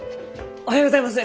おはようございます。